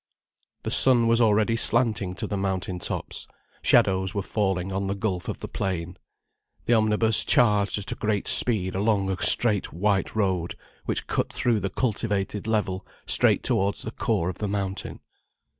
The sun was already slanting to the mountain tops, shadows were falling on the gulf of the plain. The omnibus charged at a great speed along a straight white road, which cut through the cultivated level straight towards the core of the mountain.